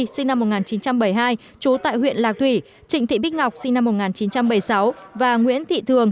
sinh năm một nghìn chín trăm bảy mươi hai trú tại huyện lạc thủy trịnh thị bích ngọc sinh năm một nghìn chín trăm bảy mươi sáu và nguyễn thị thường